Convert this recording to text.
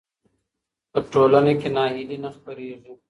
په ټولنه کې ناهیلي نه خپرېږي.